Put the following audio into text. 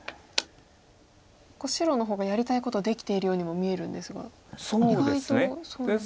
白の方がやりたいことができているようにも見えるんですが意外とそうでもないんですか。